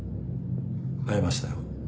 会いましたよ。